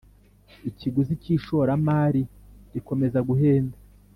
ikiguzi cy ishoramari rikomeza guhenda